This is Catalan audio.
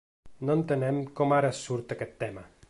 No entenem com ara surt aquest tema.